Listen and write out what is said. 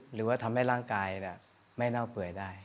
หรือว่าทำให้ร่างกายไม่เน่าเปื่อยได้